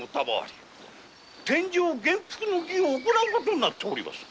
殿上元服の儀を行う事になっております。